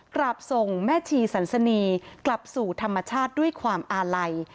กราบส่งแม่ชีสันสนีกลับสู่ธรรมชาติด้วยความอาลัย